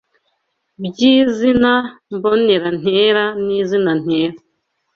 by’izina mbonera ntera n’izina ntera